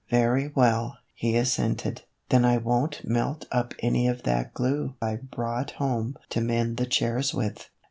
" Very well," he assented, " then I won't melt up any of that glue I brought home to mend the chairs with."